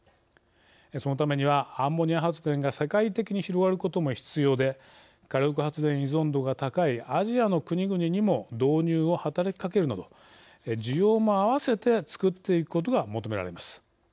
そのためにはアンモニア発電が世界的に広がることも必要で火力発電依存度が高いアジアの国々にも導入を働きかけるなど需要も合わせて作っていくことが求められます。